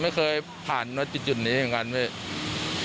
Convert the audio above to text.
ไม่เคยผ่านจุดนี้เหมือนกันพี่